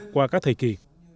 qua các thời kỳ